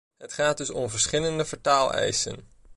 Het gaat dus om verschillende vertaaleisen.